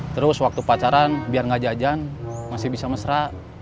terus waktu pacaran biar nggak jajan masih bisa mesra